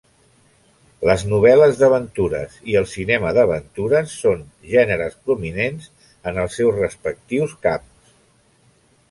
Les novel·les d'aventures i el cinema d'aventures són gèneres prominents en els seus respectius camps.